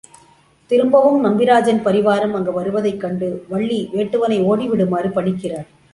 திரும்பவும் நம்பிராஜன் பரிவாரம் அங்கு வருவதைக் கண்டு வள்ளி வேட்டுவனை ஓடிவிடுமாறு பணிக்கிறாள்.